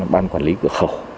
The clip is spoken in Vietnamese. ban quản lý cửa khẩu